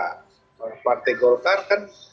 karena partai golkar kan